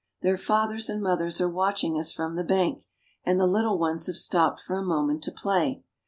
Their fathers and mothers are watching us from the bank, and the little ones have stopped for a moment to play.